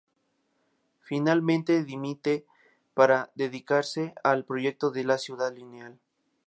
Finalmente dimite para dedicarse al proyecto de la Ciudad Lineal.